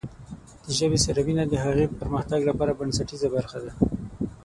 د ژبې سره مینه د هغې پرمختګ لپاره بنسټیزه برخه ده.